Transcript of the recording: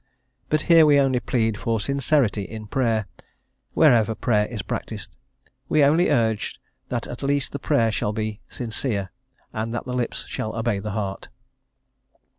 But here we only plead for sincerity in prayer, wherever prayer is practised; we only urge that at least the prayer shall be sincere, and that the lips shall obey the heart.